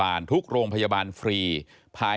พบหน้าลูกแบบเป็นร่างไร้วิญญาณ